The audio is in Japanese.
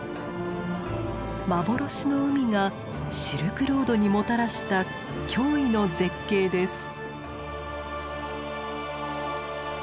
幻の海がシルクロードにもたらした驚異の絶景です。